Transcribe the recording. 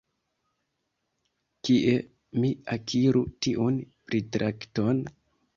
Kie mi akiru tiun pritrakton?